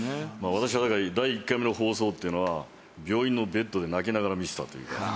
私はだから第１回目の放送っていうのは病院のベッドで泣きながら見てたという。